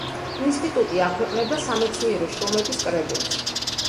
ინსტიტუტი აქვეყნებდა სამეცნიერო შრომების კრებულს.